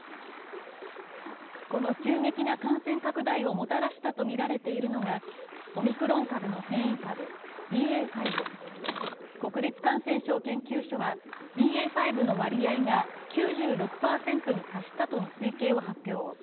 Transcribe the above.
この急激な感染拡大をもたらしたとみられているのがオミクロン株の変異株、ＢＡ．５。国立感染症研究所はＢＡ．５の割合が９６％に達したとの推計を発表。